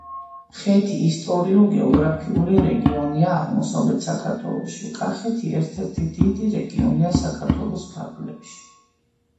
ხეთი — ისტორიულ-გეოგრაფიული რეგიონი აღმოსავლეთ საქართველოში. კახეთი ერთ-ერთი დიდი რეგიონია საქართველოს ფარგლებში.